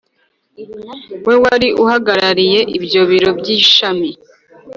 we wari uhagarariye ibyo biro by ishami